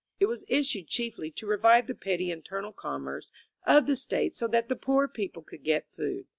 It was issued chiefly to revive the petty internal commerce of the State so that the poor people could get food.